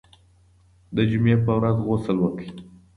د جمعې په ورځ غسل وکړئ.